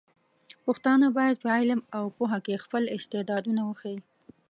پښتانه بايد په علم او پوهه کې خپل استعدادونه وښيي.